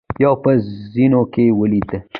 يو په زينو کې ولوېد.